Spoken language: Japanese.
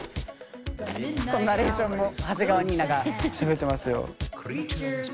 ナレーションも長谷川ニイナがしゃべってますよ。